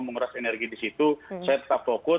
menguras energi di situ saya tetap fokus